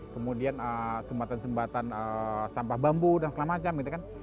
kemudian sumbatan sumbatan sampah bambu dan sebagainya